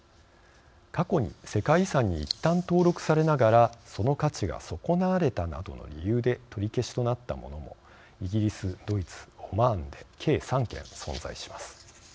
過去に、世界遺産にいったん登録されながらその価値が損なわれたなどの理由で取り消しとなったものもイギリス、ドイツ、オマーンで計３件、存在します。